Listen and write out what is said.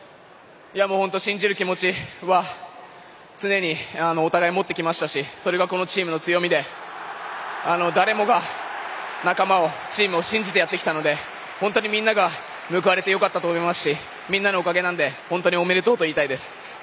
信じる気持ちは常にお互い持ってきましたしそれがこのチームの強みで誰もが仲間をチームを信じてやってきたので、本当にみんなが報われてよかったと思いますしみんなのおかげなので本当におめでとうといいたいです。